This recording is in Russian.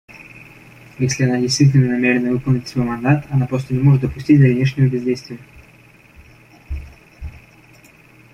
Если она действительно намерена выполнить свой мандат, она просто не может допустить дальнейшего бездействия.